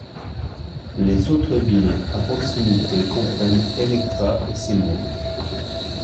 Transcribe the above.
Les autres villes à proximité comprennent Electra et Seymour.